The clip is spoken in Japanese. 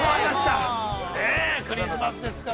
クリスマスですから。